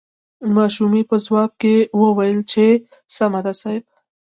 ماشومې په ځواب کې وويل چې سمه ده صاحب.